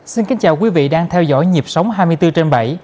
xin kính chào quý vị đang theo dõi nhịp sống hai mươi bốn trên bảy